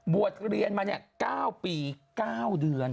เรียนมา๙ปี๙เดือน